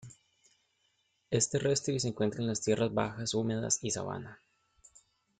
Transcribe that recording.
Es terrestre y se encuentra en las tierras bajas húmedas y sabana.